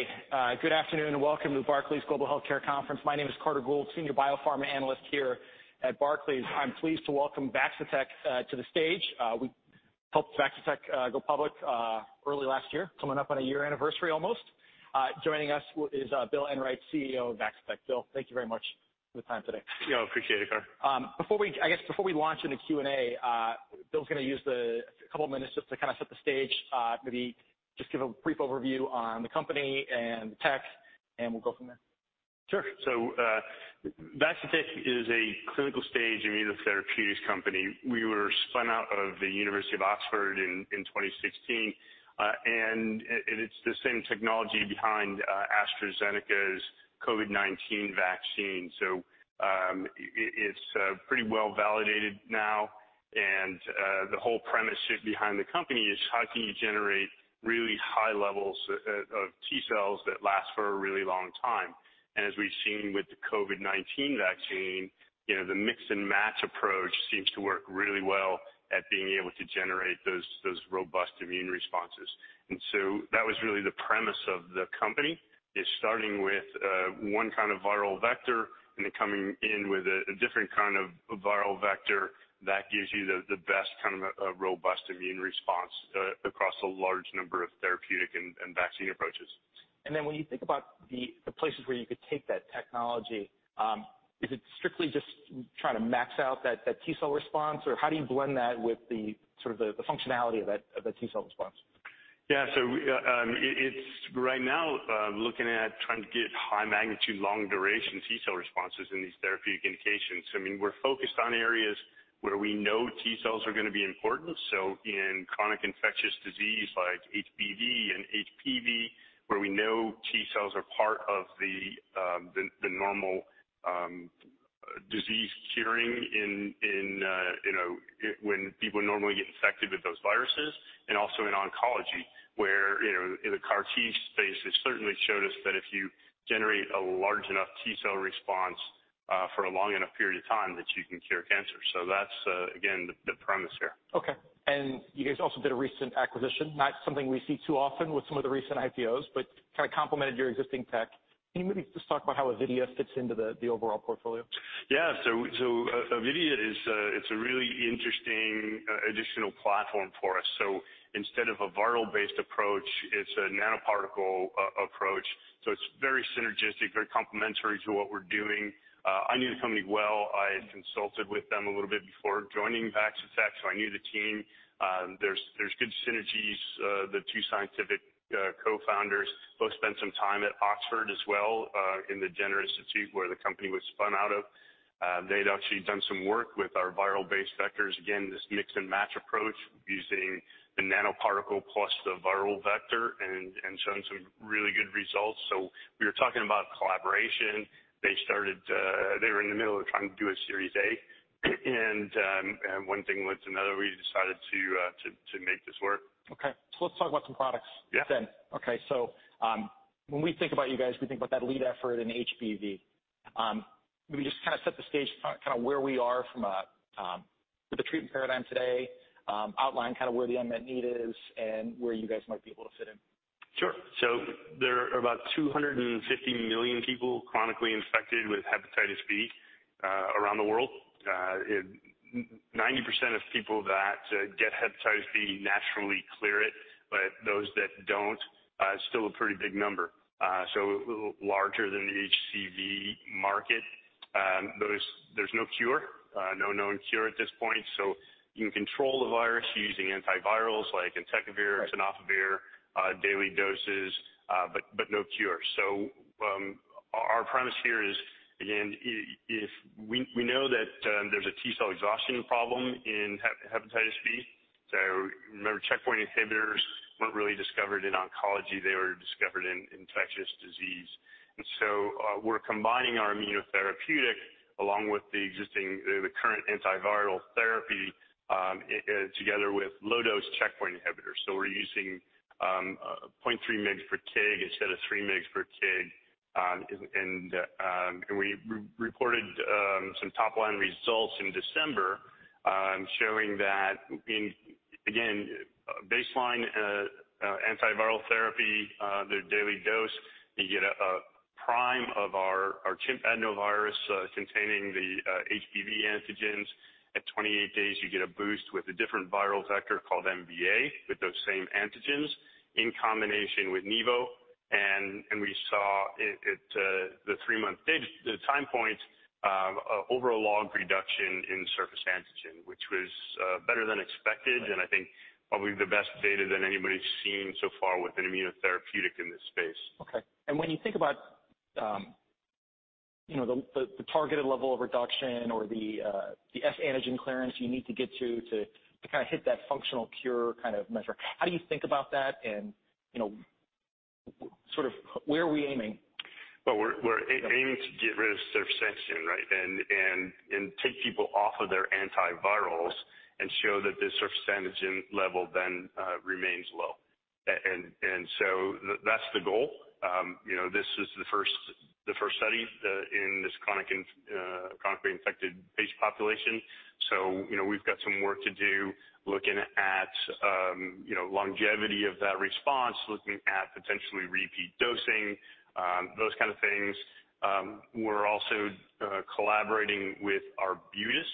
Hey, good afternoon and welcome to the Barclays Global Healthcare Conference. My name is Carter Gould, Senior Biopharma Analyst here at Barclays. I'm pleased to welcome Vaccitech to the stage. We helped Vaccitech go public early last year, coming up on a year anniversary almost. Joining us is Bill Enright, CEO of Vaccitech. Bill, thank you very much for the time today. Yeah, I appreciate it, Carter. I guess before we launch into Q&A, Bill's gonna use a couple minutes just to kinda set the stage, maybe just give a brief overview on the company and tech, and we'll go from there. Sure. Vaccitech is a clinical stage immunotherapeutics company. We were spun out of the University of Oxford in 2016. It's the same technology behind AstraZeneca's COVID-19 vaccine. It's pretty well validated now. The whole premise behind the company is how can you generate really high levels of T cells that last for a really long time? As we've seen with the COVID-19 vaccine, you know, the mix and match approach seems to work really well at being able to generate those robust immune responses. That was really the premise of the company is starting with one kind of viral vector and then coming in with a different kind of viral vector that gives you the best kind of robust immune response across a large number of therapeutic and vaccine approaches. When you think about the places where you could take that technology, is it strictly just trying to max out that T cell response, or how do you blend that with the sort of functionality of that T cell response? Yeah. It's right now looking at trying to get high magnitude long duration T cell responses in these therapeutic indications. I mean, we're focused on areas where we know T cells are gonna be important. In chronic infectious disease like HBV and HPV, where we know T cells are part of the normal disease curing in you know, when people normally get infected with those viruses. Also in oncology where, you know, in the CAR T space, it's certainly showed us that if you generate a large enough T cell response for a long enough period of time, that you can cure cancer. That's again the premise here. Okay. You guys also did a recent acquisition, not something we see too often with some of the recent IPOs, but kinda complemented your existing tech. Can you maybe just talk about how Avidea fits into the overall portfolio? Avidea is a really interesting additional platform for us. Instead of a viral-based approach, it's a nanoparticle approach, so it's very synergistic, very complementary to what we're doing. I knew the company well. I consulted with them a little bit before joining Vaccitech, so I knew the team. There's good synergies. The two scientific co-founders both spent some time at Oxford as well, in the Jenner Institute where the company was spun out of. They'd actually done some work with our viral-based vectors. Again, this mix and match approach using the nanoparticle plus the viral vector and shown some really good results. We were talking about collaboration. They started. They were in the middle of trying to do a Series A, and one thing led to another. We decided to make this work. Okay. Let's talk about some products. Yeah. Okay. When we think about you guys, we think about that lead effort in HBV. Can we just kinda set the stage, kinda where we are from a with the treatment paradigm today, outline kinda where the unmet need is and where you guys might be able to fit in? Sure. There are about 250 million people chronically infected with hepatitis B around the world. Ninety percent of people that get hepatitis B naturally clear it, but those that don't still a pretty big number, larger than the HCV market. There's no cure, no known cure at this point, so you can control the virus using antivirals like entecavir, tenofovir daily doses, but no cure. Our premise here is, again, if we know that there's a T-cell exhaustion problem in hepatitis B. Remember, checkpoint inhibitors weren't really discovered in oncology, they were discovered in infectious disease. We're combining our immunotherapeutic along with the existing current antiviral therapy together with low dose checkpoint inhibitors. We're using 0.3 mg/kg instead of 3 mg/kg. We reported some top-line results in December showing that in baseline antiviral therapy their daily dose, you get a prime of our chimp adenovirus containing the HBV antigens. At 28 days, you get a boost with a different viral vector called MVA with those same antigens in combination with nivo. We saw at the three-month stage, the time point, a overall log reduction in surface antigen, which was better than expected and I think probably the best data that anybody's seen so far with an immunotherapeutic in this space. Okay. When you think about, you know, the targeted level of reduction or the S antigen clearance you need to get to kinda hit that functional cure kind of measure, how do you think about that? You know, or sort of where are we aiming? Well, we're aiming to get rid of surface antigen, right? Take people off of their antivirals and show that the surface antigen level then remains low. That's the goal. You know, this is the first study in this chronically infected patient population. You know, we've got some work to do looking at longevity of that response, looking at potentially repeat dosing, those kind of things. We're also collaborating with Arbutus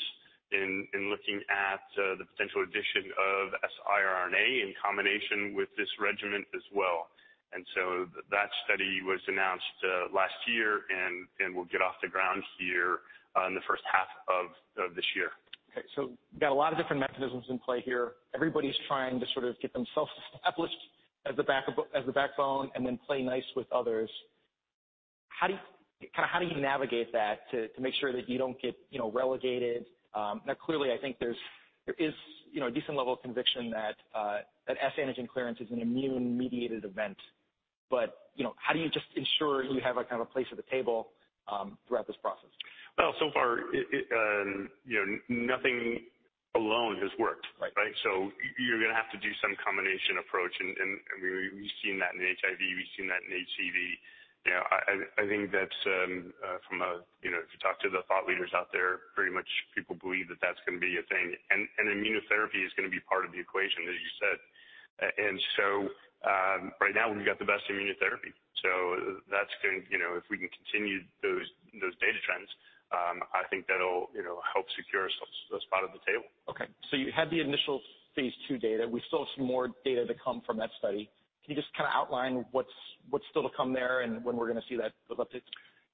in looking at the potential addition of siRNA in combination with this regimen as well. That study was announced last year and will get off the ground here in the first half of this year. Okay. Got a lot of different mechanisms in play here. Everybody's trying to sort of get themselves established as the backbone and then play nice with others. Kinda how do you navigate that to make sure that you don't get, you know, relegated? Now clearly I think there is, you know, a decent level of conviction that that S antigen clearance is an immune-mediated event. You know, how do you just ensure you have a kind of a place at the table throughout this process? Well, so far it, you know, nothing alone has worked. Right. Right? You're gonna have to do some combination approach and we've seen that in HIV. We've seen that in HCV. You know, I think that's, you know, if you talk to the thought leaders out there, pretty much people believe that that's gonna be a thing. Immunotherapy is gonna be part of the equation, as you said. Right now we've got the best immunotherapy. You know, if we can continue those data trends, I think that'll, you know, help secure us a spot at the table. Okay. You had the initial phase II data. We still have some more data to come from that study. Can you just kinda outline what's still to come there and when we're gonna see that, those updates?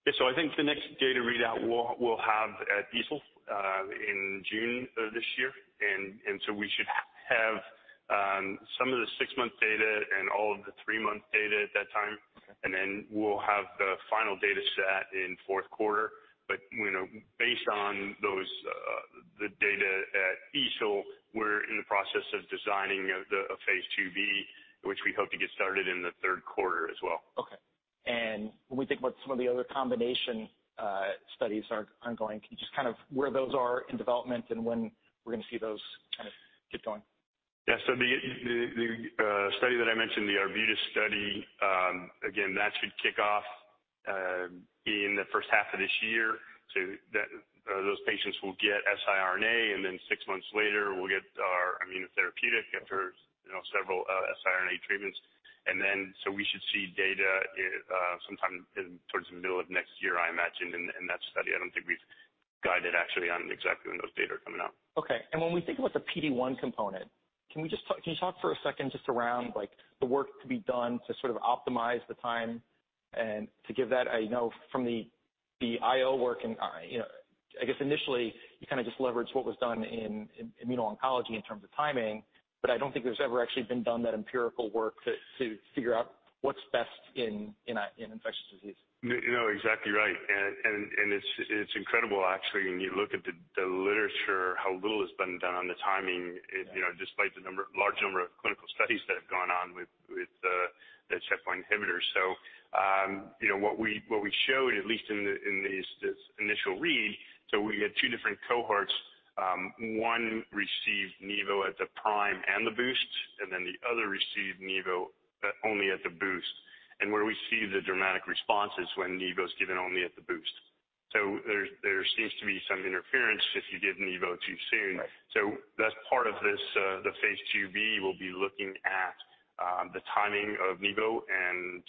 Yeah, I think the next data readout we'll have at EASL in June of this year. We should have some of the six-month data and all of the three-month data at that time. Okay. We'll have the final data set in fourth quarter. You know, based on those, the data at EASL, we're in the process of designing a phase II-B, which we hope to get started in the third quarter as well. Okay. When we think about some of the other combination studies are ongoing, can you just kind of where those are in development and when we're gonna see those kind of get going? The study that I mentioned, the Arbutus study, again, that should kick off in the first half of this year. Those patients will get siRNA and then six months later will get our immunotherapeutic after several siRNA treatments. We should see data sometime towards the middle of next year, I imagine, in that study. I don't think we've guided actually on exactly when those data are coming out. Okay. When we think about the PD-1 component, can you talk for a second just around, like the work to be done to sort of optimize the time and to give that? I know from the IO work and, you know, I guess initially you kinda just leveraged what was done in immuno-oncology in terms of timing, but I don't think there's ever actually been done that empirical work to figure out what's best in infectious disease. No, you're exactly right. It's incredible actually when you look at the literature, how little has been done on the timing. Yeah. You know, despite the large number of clinical studies that have gone on with the checkpoint inhibitors. You know, what we showed at least in this initial read, so we had two different cohorts. One received nivo at the prime and the boost, and then the other received nivo only at the boost. Where we see the dramatic response is when nivo's given only at the boost. There seems to be some interference if you give nivo too soon. Right. That's part of this, the phase II-B will be looking at the timing of nivo and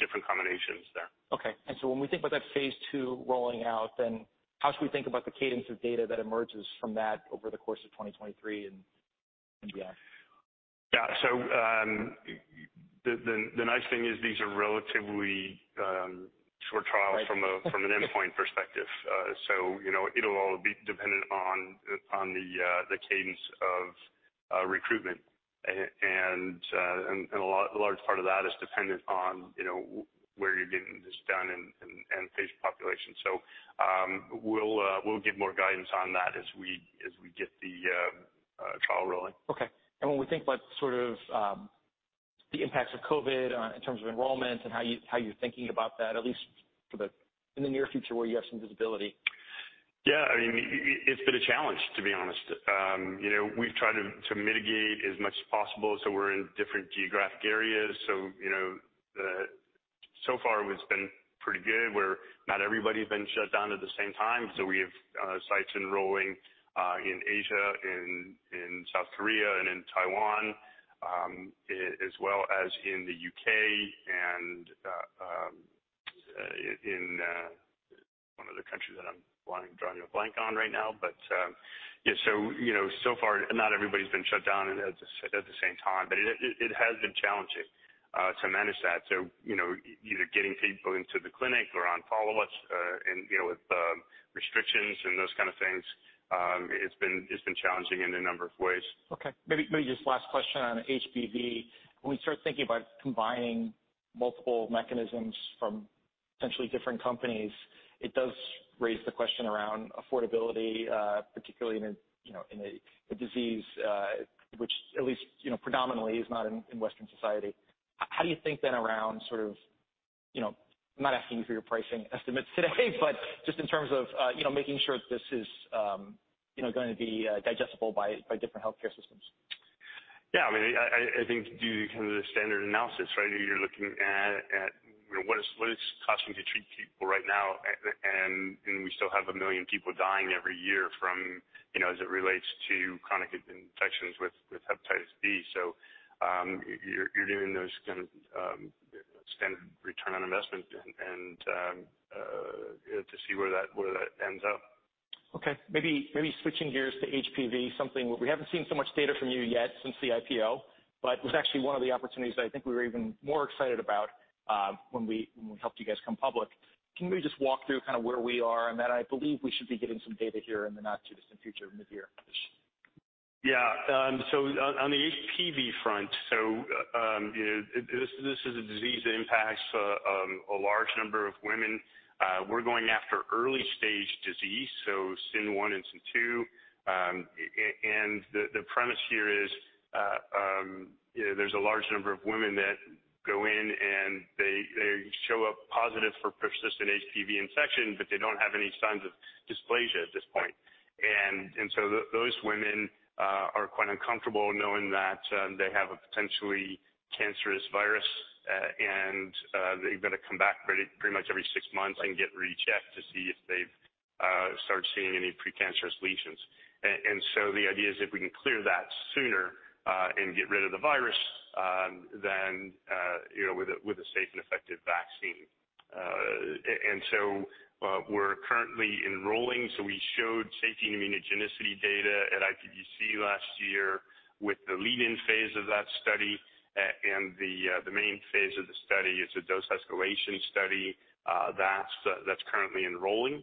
different combinations there. Okay. When we think about that phase II rolling out, then how should we think about the cadence of data that emerges from that over the course of 2023 and beyond? Yeah. The nice thing is these are relatively short trials– Right. From an endpoint perspective. You know, it'll all be dependent on the cadence of recruitment. A large part of that is dependent on, you know, where you're getting this done and patient population. We'll give more guidance on that as we get the trial rolling. When we think about sort of the impacts of COVID in terms of enrollment and how you're thinking about that, at least in the near future where you have some visibility. Yeah. I mean, it's been a challenge, to be honest. You know, we've tried to mitigate as much as possible, so we're in different geographic areas. You know, so far it's been pretty good, where not everybody's been shut down at the same time. We have sites enrolling in Asia, in South Korea and in Taiwan, as well as in the U.K. and in one of the countries that I'm drawing a blank on right now. Yeah, you know, so far not everybody's been shut down at the same time, but it has been challenging to manage that. You know, either getting people into the clinic or on follow-ups, and you know, with restrictions and those kind of things, it's been challenging in a number of ways. Okay. Maybe just last question on HBV. When we start thinking about combining multiple mechanisms from potentially different companies, it does raise the question around affordability, particularly in a disease, you know, which at least, you know, predominantly is not in Western society. How do you think then around sort of, you know, I'm not asking you for your pricing estimates today, but just in terms of, you know, making sure this is, you know, gonna be digestible by different healthcare systems? Yeah, I mean, I think you do kind of the standard analysis, right? You're looking at, you know, what is it costing to treat people right now? We still have 1 million people dying every year from, you know, as it relates to chronic infections with hepatitis B. You're doing those kind of extended return on investment to see where that ends up. Okay. Maybe switching gears to HPV, something where we haven't seen so much data from you yet since the IPO, but was actually one of the opportunities that I think we were even more excited about, when we helped you guys come public. Can you just walk through kind of where we are and that I believe we should be getting some data here in the not too distant future midyear? On the HPV front, you know, this is a disease that impacts a large number of women. We're going after early-stage disease, so CIN 1 and CIN 2. The premise here is, you know, there's a large number of women that go in and they show up positive for persistent HPV infection, but they don't have any signs of dysplasia at this point. Those women are quite uncomfortable knowing that they have a potentially cancerous virus, and they've got to come back pretty much every six months and get rechecked to see if they've started seeing any precancerous lesions. The idea is if we can clear that sooner and get rid of the virus, then you know with a safe and effective vaccine. We're currently enrolling. We showed safety immunogenicity data at IPVC last year with the lead-in phase of that study. The main phase of the study is a dose escalation study that's currently enrolling.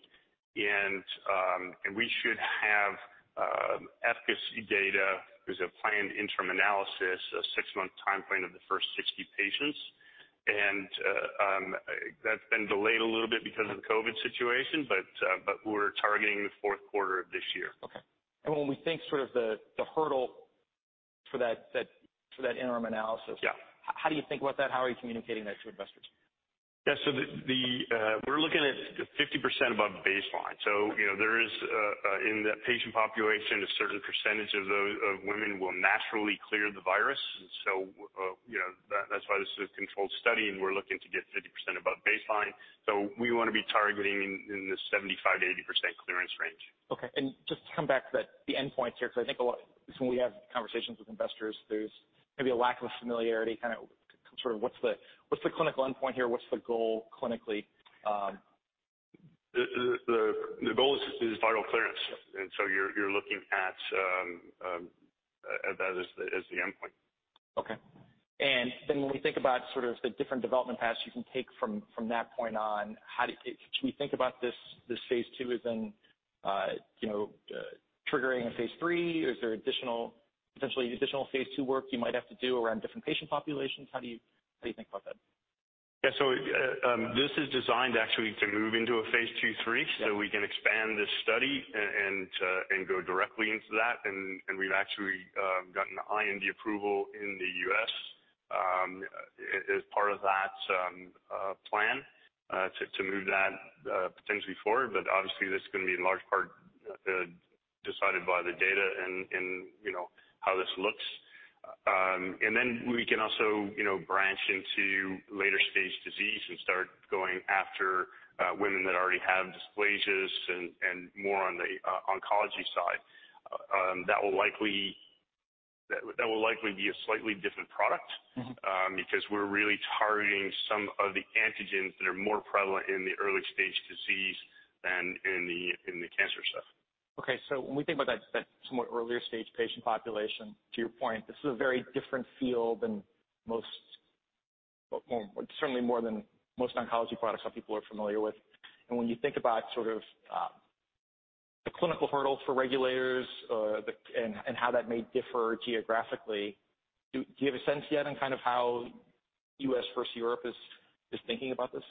We should have efficacy data. There's a planned interim analysis, a six-month time frame of the first 60 patients. That's been delayed a little bit because of the COVID situation, but we're targeting the fourth quarter of this year. Okay. When we think sort of the hurdle for that interim analysis. Yeah. How do you think about that? How are you communicating that to investors? Yeah. We're looking at 50% above baseline. You know, there is, in that patient population, a certain percentage of women will naturally clear the virus. You know, that's why this is a controlled study, and we're looking to get 50% above baseline. We want to be targeting in the 75%-80% clearance range. Okay. Just to come back to the endpoint here, because I think a lot, when we have conversations with investors, there's maybe a lack of familiarity kind of sort of what's the clinical endpoint here? What's the goal clinically? The goal is viral clearance. You're looking at that as the endpoint. Okay. When we think about sort of the different development paths you can take from that point on, can we think about this phase II as in, you know, triggering a phase III? Is there additional, potentially phase II work you might have to do around different patient populations? How do you think about that? Yeah. This is designed actually to move into a phase II/III, so we can expand this study and go directly into that. We've actually gotten the IND approval in the U.S., as part of that plan to move that potentially forward. Obviously, this is gonna be in large part decided by the data and, you know, how this looks. Then we can also, you know, branch into later stage disease and start going after women that already have dysplasias and more on the oncology side. That will likely be a slightly different product. Mm-hmm. Because we're really targeting some of the antigens that are more prevalent in the early-stage disease than in the cancer stuff. When we think about that somewhat earlier stage patient population, to your point, this is a very different field than most, well, certainly more than most oncology products some people are familiar with. And when you think about sort of the clinical hurdle for regulators, and how that may differ geographically, do you have a sense yet on kind of how U.S. versus Europe is thinking about this?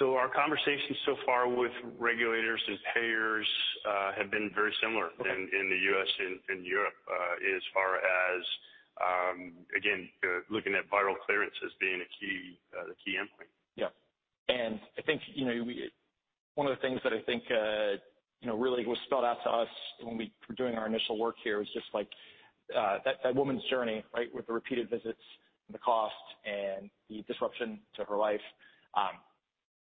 Our conversations so far with regulators and payers have been very similar. Okay. in the U.S. and Europe, as far as again looking at viral clearance as being the key endpoint. Yeah. I think, you know, one of the things that I think, you know, really was spelled out to us when we were doing our initial work here is just like, that woman's journey, right, with the repeated visits and the cost and the disruption to her life.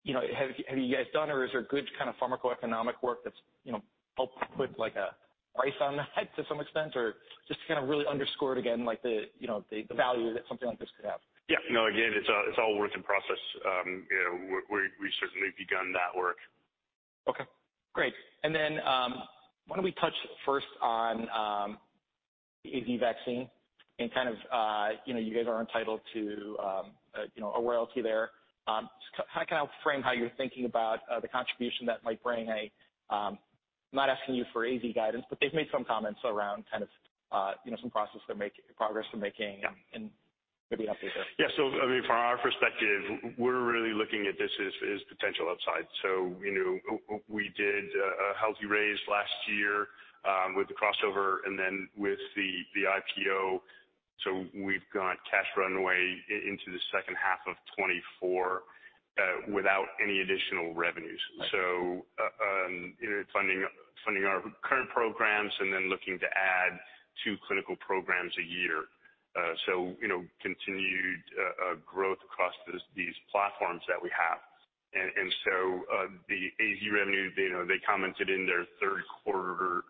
You know, have you guys done or is there good kind of pharmacoeconomic work that's, you know, helped put like a price on that to some extent, or just to kind of really underscore it again, like the, you know, the value that something like this could have? Yeah. No, again, it's all a work in process. You know, we've certainly begun that work. Okay, great. Then, why don't we touch first on AZ vaccine and kind of, you know, you guys are entitled to, you know, a royalty there. So how can I frame how you're thinking about the contribution that might bring a, I'm not asking you for AZ guidance, but they've made some comments around kind of, you know, some progress they're making. Yeah. Maybe an update there. Yeah. I mean, from our perspective, we're really looking at this as potential upside. You know, we did a healthy raise last year, with the crossover and then with the IPO. We've got cash runway into the second half of 2024, without any additional revenues. Right. You know, funding our current programs and then looking to add two clinical programs a year. You know, continued growth across these platforms that we have. The AZ revenue, you know, they commented in their third quarter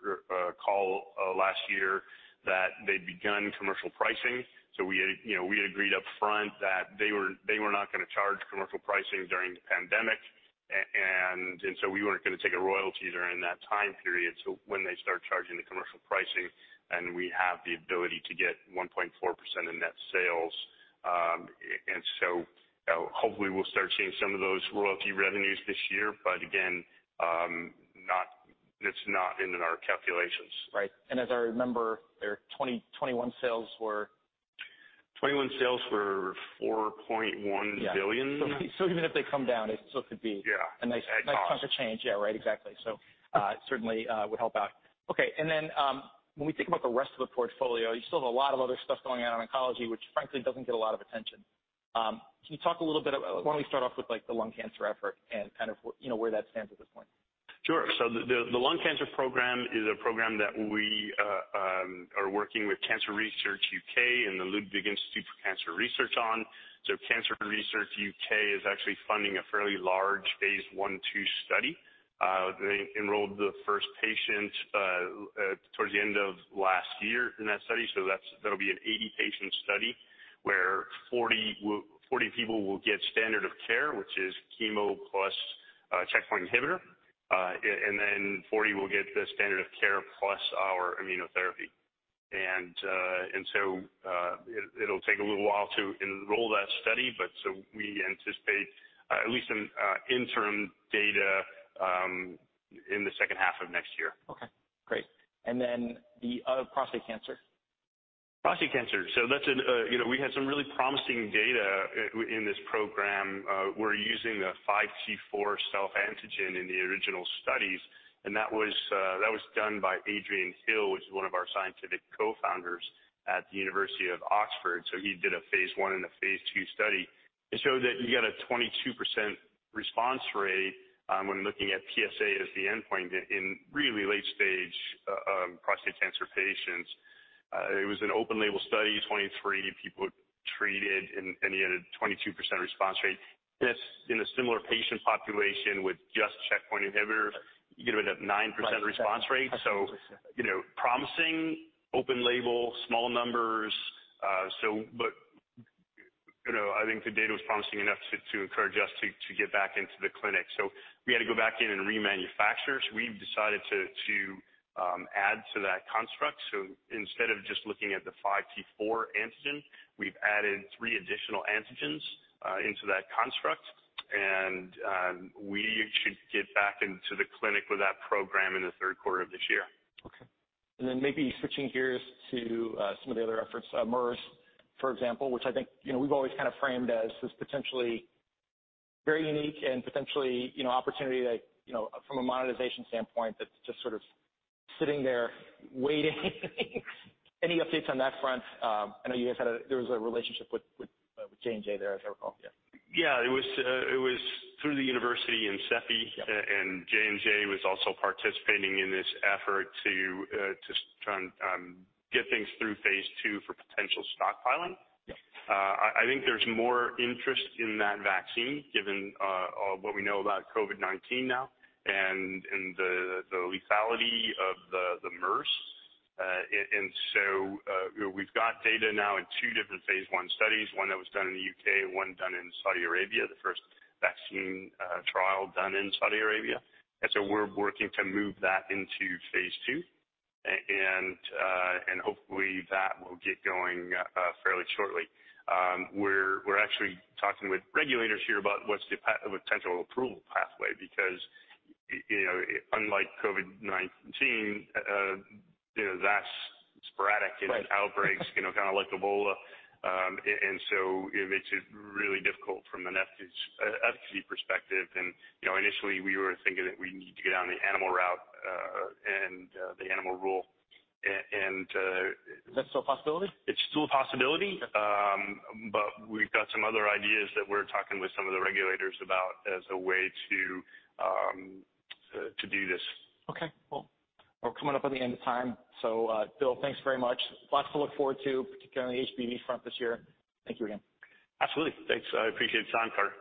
call last year that they'd begun commercial pricing. We had, you know, agreed upfront that they were not gonna charge commercial pricing during the pandemic. We weren't gonna take a royalty during that time period. When they start charging the commercial pricing, then we have the ability to get 1.4% in net sales. Hopefully we'll start seeing some of those royalty revenues this year. But again, it's not in our calculations. Right. As I remember, their 2021 sales were? 2021 sales were $4.1 billion. Yeah. Even if they come down, it still could be– Yeah. a nice chunk of change. At cost. Yeah. Right. Exactly. Certainly would help out. Okay. When we think about the rest of the portfolio, you still have a lot of other stuff going on in oncology, which frankly doesn't get a lot of attention. Can you talk a little bit? Why don't we start off with, like, the lung cancer effort and kind of, you know, where that stands at this point? Sure. The lung cancer program is a program that we are working with Cancer Research UK and the Ludwig Institute for Cancer Research on. Cancer Research UK is actually funding a fairly large phase I/II study. They enrolled the first patient towards the end of last year in that study. That'll be an 80-patient study where 40 people will get standard of care, which is chemo plus checkpoint inhibitor. 40 will get the standard of care plus our immunotherapy. It'll take a little while to enroll that study, but we anticipate at least some interim data in the second half of next year. Okay, great. The prostate cancer. Prostate cancer. That's an you know we had some really promising data in this program. We're using the 5T4 self-antigen in the original studies, and that was done by Adrian Hill, which is one of our scientific cofounders at the University of Oxford. He did a phase I and a phase II study. It showed that you get a 22% response rate when looking at PSA as the endpoint in really late stage prostate cancer patients. It was an open label study, 23 people treated and he had a 22% response rate. If in a similar patient population with just checkpoint inhibitor, you get about a 9% response rate. Right. You know, promising, open label, small numbers. You know, I think the data was promising enough to encourage us to get back into the clinic. We had to go back in and remanufacture. We've decided to add to that construct. Instead of just looking at the 5T4 antigen, we've added three additional antigens into that construct. We should get back into the clinic with that program in the third quarter of this year. Okay. Maybe switching gears to some of the other efforts, MERS, for example, which I think, you know, we've always kind of framed as this potentially very unique and potentially, you know, opportunity that, you know, from a monetization standpoint that's just sort of sitting there waiting. Any updates on that front? I know you guys had a relationship with J&J there, as I recall. Yeah. Yeah. It was through the university and CEPI. Yeah. J&J was also participating in this effort to try and get things through phase II for potential stockpiling. Yeah. I think there's more interest in that vaccine given all what we know about COVID-19 now and the lethality of the MERS. You know, we've got data now in two different phase I studies, one that was done in the U.K., one done in Saudi Arabia, the first vaccine trial done in Saudi Arabia. We're working to move that into phase II. Hopefully that will get going fairly shortly. We're actually talking with regulators here about the potential approval pathway because you know, unlike COVID-19, you know, that's sporadic in outbreaks, you know, kinda like Ebola. It makes it really difficult from an efficacy perspective. You know, initially we were thinking that we need to go down the animal route, and the Animal Rule and Is that still a possibility? It's still a possibility. Okay. We've got some other ideas that we're talking with some of the regulators about as a way to do this. Okay. Cool. We're coming up on the end of time. Bill, thanks very much. Lots to look forward to, particularly on the HPV front this year. Thank you again. Absolutely. Thanks. I appreciate the time, Carter.